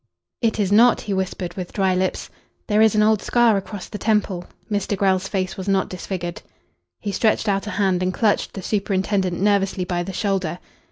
"It is not," he whispered with dry lips. "There is an old scar across the temple. Mr. Grell's face was not disfigured." He stretched out a hand and clutched the superintendent nervously by the shoulder.